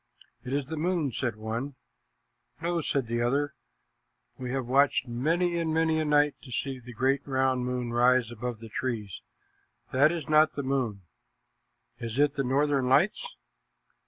"It is the moon," said one. "No," said the other. "We have watched many and many a night to see the great, round moon rise above the trees. That is not the moon. Is it the northern lights?"